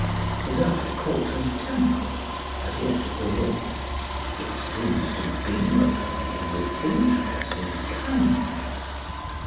His eye caught Miss Temple's as he entered the room. It seemed to beam upon him with interest and kindness.